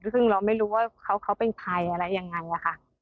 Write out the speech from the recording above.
ซึ่งเราไม่รู้ว่าเขาเป็นใครอะไรยังไงค่ะ